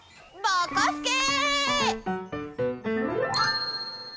ぼこすけ！